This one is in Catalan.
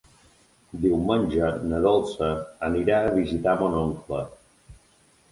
Diumenge na Dolça anirà a visitar mon oncle.